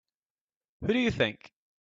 Who do you think?